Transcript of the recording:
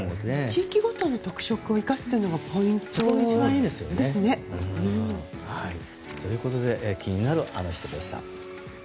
地域ごとの特色を生かすのがポイントですね。ということで気になるアノ人でした。